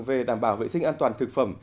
về đảm bảo vệ sinh an toàn thực phẩm